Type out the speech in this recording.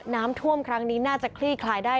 น้ำท่วมครั้งนี้น่าจะคลี่คลายได้